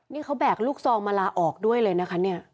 นี่เขาแบกลูกซองมาลาออกด้วยเลยนะคะเนี่ย